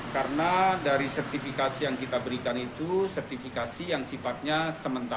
karena dari sertifikasi yang kita berikan itu sertifikasi yang sifatnya sementara